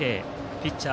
ピッチャー